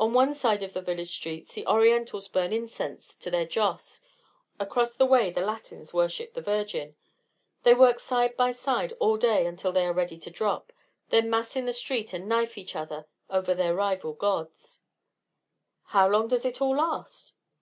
On one side of the village streets the Orientals burn incense to their Joss, across the way the Latins worship the Virgin. They work side by side all day until they are ready to drop, then mass in the street and knife each other over their rival gods." "How long does it all last?"